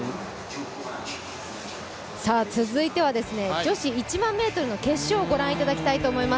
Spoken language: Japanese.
続いては女子１００００ｍの決勝をご覧いただきたいと思います。